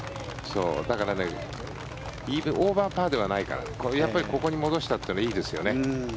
だからオーバーパーではないからやっぱりここに戻したのはいいですよね。